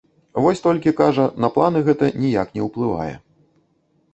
Вось толькі, кажа, на планы яго гэта ніяк не ўплывае.